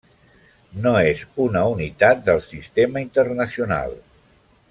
No és una unitat del Sistema Internacional.